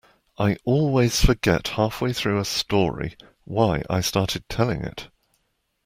I always forget halfway through a story why I started telling it.